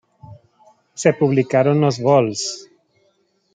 Se publicaron los vols.